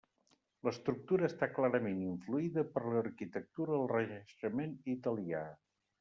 L'estructura està clarament influïda per l'arquitectura del Renaixement italià.